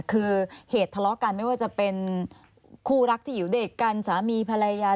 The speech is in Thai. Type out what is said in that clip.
คือเหตุทะเลาะกันไม่ว่าจะเป็นครูรักอีกเด็กกันสามีพรรยา